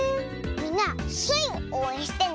みんなスイをおうえんしてね！